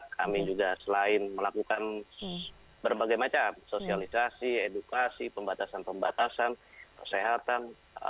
kami juga selain melakukan berbagai macam sosialisasi edukasi pembatasan pembatasan kesehatan